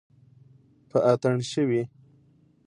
په اتڼ شوي